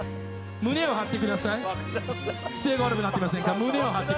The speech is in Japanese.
胸を張ってください。